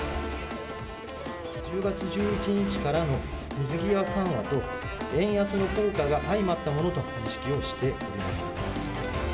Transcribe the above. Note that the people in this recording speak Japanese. １０月１１日からの水際緩和と、円安の効果が相まったものと認識をしております。